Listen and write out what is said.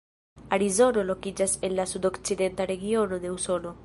Arizono lokiĝas en la sudokcidenta regiono de Usono.